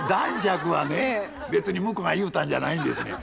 別に向こうが言うたんじゃないんですねん。